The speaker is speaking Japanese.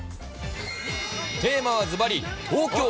テーマはずばり東京。